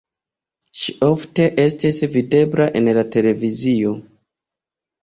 Ŝi ofte estis videbla en la televizio.